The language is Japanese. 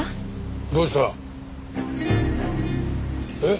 どうした？えっ？